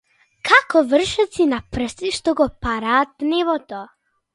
Како вршоци на прсти што го параат небото.